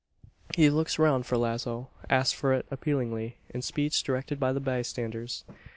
He looks round for a lazo; asks for it appealingly, in speech directed to the bystanders.